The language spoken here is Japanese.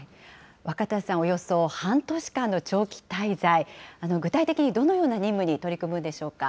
若田さん、およそ半年間の長期滞在、具体的にどのような任務に取り組むんでしょうか？